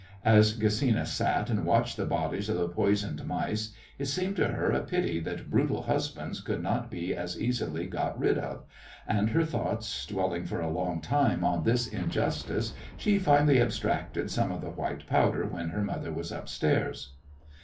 As Gesina sat and watched the bodies of the poisoned mice it seemed to her a pity that brutal husbands could not be as easily got rid of, and her thoughts dwelling for a long time on this injustice she finally abstracted some of the white powder when her mother was upstairs.